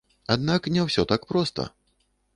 Аднак не ўсё так проста!